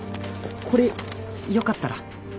これよかったら